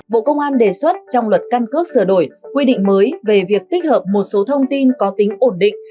bộ công an đề xuất trong luật căn cước sửa đổi quy định mới về việc tích hợp một số thông tin có tính ổn định